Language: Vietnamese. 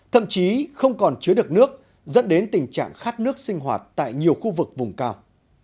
thậm chí không còn chứa được nước dẫn đến tình trạng khát nước sinh hoạt tại nhiều khu vực vùng cao